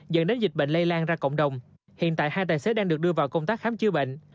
dẫn đến dịch bệnh lây lan ra cộng đồng hiện tại hai tài xế đang được đưa vào công tác khám chữa bệnh